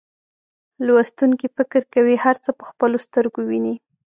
لوستونکي فکر کوي هر څه په خپلو سترګو ویني.